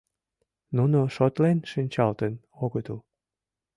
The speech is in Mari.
Нуно шотлен шинчылтын огытыл.